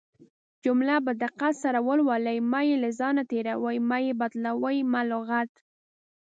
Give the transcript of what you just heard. جمله په دقت سره ولولٸ مه يې له ځانه تيروٸ، مه يې بدالوۍ، مه لغت